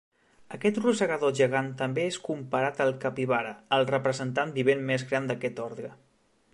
Aquest rosegador gegant també és comparat al capibara, el representant vivent més gran d'aquest ordre.